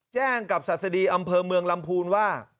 แจ้งกับศาสดีอำเภอเมืองลำพูนว่า